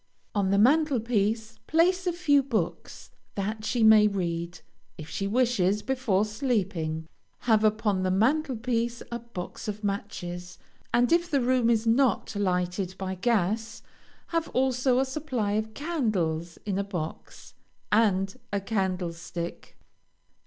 On the mantel piece, place a few books that she may read, if she wishes, before sleeping. Have upon the mantel piece a box of matches, and if the room is not lighted by gas, have also a supply of candles in a box, and a candlestick.